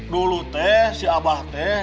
dulu teh si abah teh